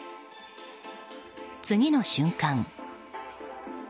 次の瞬間。